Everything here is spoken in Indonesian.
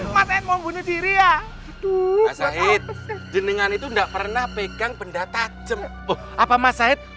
masjid mau bunuh diri ya tuh masjid jenengan itu enggak pernah pegang benda tajam apa masjid